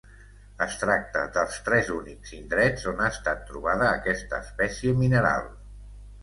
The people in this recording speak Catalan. Es tracta dels tres únics indrets on ha estat trobada aquesta espècie mineral.